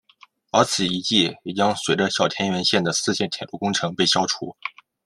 而此遗迹也将随着小田原线的四线铁路工程被消除。